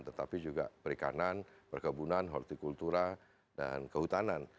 tetapi juga perikanan perkebunan hortikultura dan kehutanan